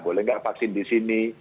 boleh nggak vaksin di sini